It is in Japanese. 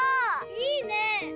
「いいね！」。